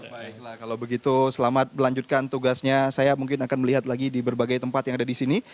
baiklah kalau begitu selamat melanjutkan tugasnya saya mungkin akan melihat lagi di berbagai tempat yang ada di sini